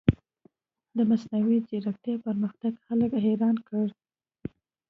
د مصنوعي ځیرکتیا پرمختګ خلک حیران کړي.